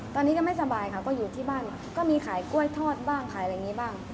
ตอนนี้ก็ไม่สบายค่ะก็อยู่ที่บ้านก็มีขายกล้วยทอดบ้างขายอะไรอย่างนี้บ้าง